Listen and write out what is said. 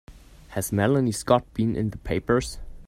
Has Melanie Scott been in the papers?